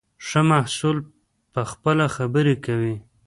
ښه محصول پخپله خبرې کوي.